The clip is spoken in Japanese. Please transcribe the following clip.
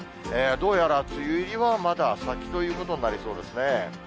どうやら梅雨入りはまだ先ということになりそうですね。